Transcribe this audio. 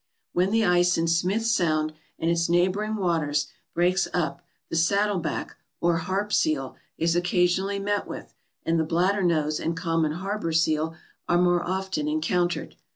When the ice in Smith Sound and its neighboring waters breaks up, the saddleback or harp seal is occasionally met with, and the bladdernose and common harbor seal are more often en countered.